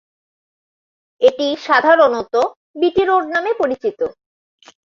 এটি সাধারণত BT road নামে পরিচিত।